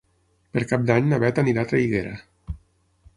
Per Cap d'Any na Beth anirà a Traiguera.